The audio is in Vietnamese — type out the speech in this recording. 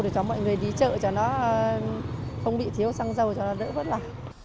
để cho mọi người đi chợ cho nó không bị thiếu xăng dầu cho nó đỡ vất vả